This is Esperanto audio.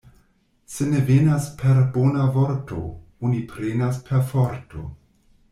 Se ne venas per bona vorto, oni prenas per forto.